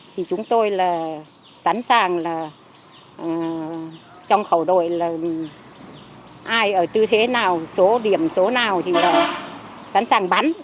trong khẩu đội là ai ở tư thế nào số điểm số nào thì sẵn sàng bắn